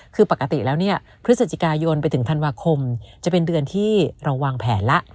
คือปกติแล้วเนี่ยพฤศจิกายนไปถึงธันวาคมจะเป็นเดือนที่เราวางแผนแล้ว